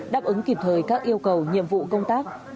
đáp ứng kịp thời các yêu cầu nhiệm vụ công tác